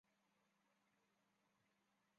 其触须和其他步足则都是白色的。